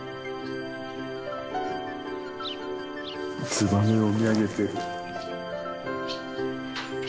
ツバメを見上げている。